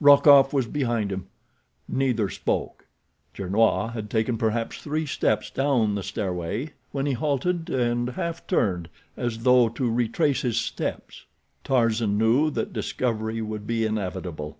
Rokoff was behind him. Neither spoke. Gernois had taken perhaps three steps down the stairway when he halted and half turned, as though to retrace his steps. Tarzan knew that discovery would be inevitable.